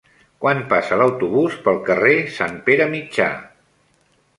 Quan passa l'autobús pel carrer Sant Pere Mitjà?